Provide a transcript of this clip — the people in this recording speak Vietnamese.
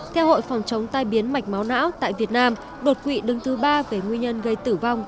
theo hội phòng chống tai biến mạch máu não tại việt nam đột quỵ đứng thứ ba về nguyên nhân gây tử vong